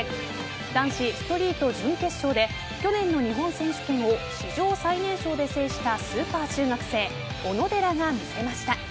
男子ストリート準決勝で去年の日本選手権を史上最年少で制したスーパー中学生小野寺が見せました。